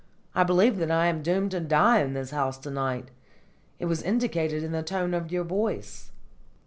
I believe that I am doomed to die in this house to night! It was indicated in the tone of your voice."